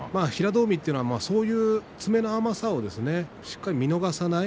平戸海というのは詰めの甘さをしっかりと見逃さない